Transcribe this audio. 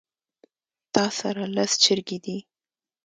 تاسره لس چرګې دي